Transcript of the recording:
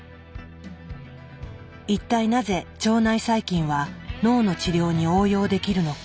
一体なぜ腸内細菌は脳の治療に応用できるのか？